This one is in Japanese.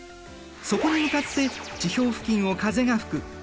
そこに向かって地表付近を風が吹く。